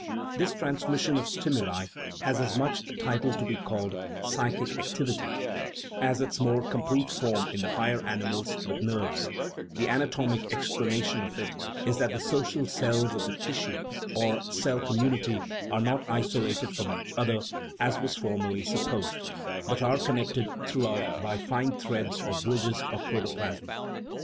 This transmission of stimuli has as much title to be called " psychic activity " as its more complete form in the higher animals with nerves ; the anatomic explanation of it is that the social cells of the tissue, or cell community, are not isolated '58 THE PHYLOGENY OF THE SOUL from each other (as was formerly supposed), but are connected throughout by fine threads or bridges of protoplasm.